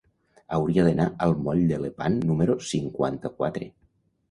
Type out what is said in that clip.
Hauria d'anar al moll de Lepant número cinquanta-quatre.